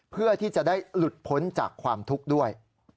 เพื่อที่จะได้หลุดพ้นจากความทุกข์ด้วย